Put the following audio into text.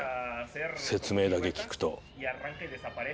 説明だけ聞くと。